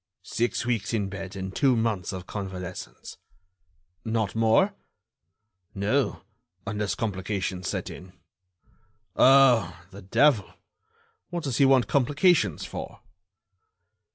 "Six weeks in bed and two months of convalescence." "Not more?" "No, unless complications set in." "Oh! the devil! what does he want complications for?"